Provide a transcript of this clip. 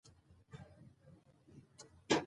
دا اثر د الهي الهام د تعقیب فلسفي اظهار دی.